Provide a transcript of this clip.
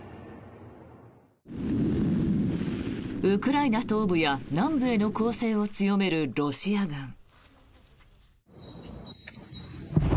ウクライナ東部や南部への攻勢を強めるロシア軍。